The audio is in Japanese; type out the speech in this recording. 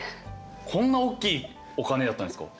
こんなおっきいお金やったんですか。